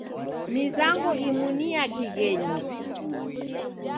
Mizango imu ni ya kighenyi.